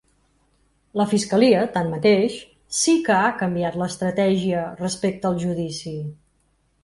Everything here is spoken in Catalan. La fiscalia, tanmateix, sí que ha canviat l’estratègia respecta el judici.